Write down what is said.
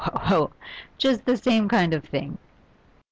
Ho, ho, ho! Just the same kind of thing.